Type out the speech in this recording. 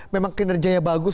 memang kinerjanya bagus